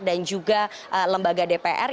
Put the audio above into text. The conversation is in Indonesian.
dan juga lembaga dpr